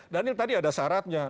daniel tadi ada syaratnya